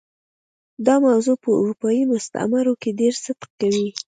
دا موضوع په اروپايي مستعمرو کې ډېر صدق کوي.